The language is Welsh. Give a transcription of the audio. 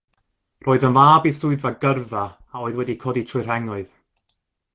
Roedd yn fab i swyddog gyrfa a oedd wedi codi trwy'r rhengoedd.